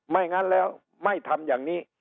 ไม่งั้นแล้วไม่ทำอย่างนี้